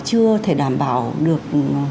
có thể đảm bảo được